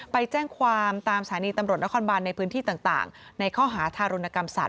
ไปแจ้งความตามสถานีตำรวจนครบานในพื้นที่ต่างในข้อหาทารุณกรรมสัตว